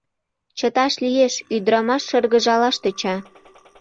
— Чыташ лиеш... — ӱдырамаш шыргыжалаш тӧча.